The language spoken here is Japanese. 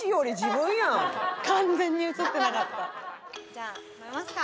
じゃあ食べますか。